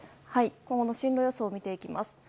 今後の進路予想を見ていきます。